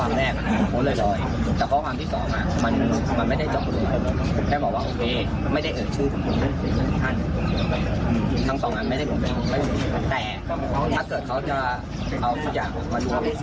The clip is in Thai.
ผมก็บอกว่าเป็นที่ผมไม่ได้เรียนยังโดยเป็นส่วนด้วย